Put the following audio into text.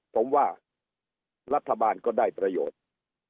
ผมว่ารัฐบาลก็ได้ประโยชน์